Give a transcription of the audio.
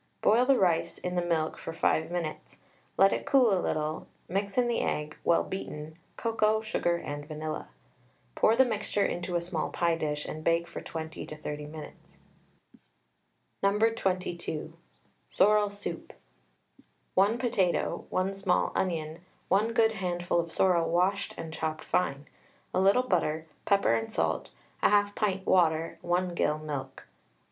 Boil the rice in the milk for 5 minutes, let it cool a little, mix in the egg, well beaten, cocoa, sugar, and vanilla. Pour the mixture into a small pie dish, and bake for 20 to 30 minutes. No. 22. SORREL SOUP. 1 potato, 1 small onion, 1 good handful of sorrel washed and chopped fine, a little butter, pepper and salt, 1/2 pint water, 1 gill milk.